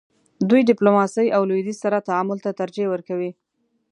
دوی ډیپلوماسۍ او لویدیځ سره تعامل ته ترجیح ورکوي.